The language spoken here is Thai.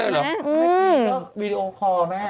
เมื่อกี้ก็วีดีโอคอร์แม่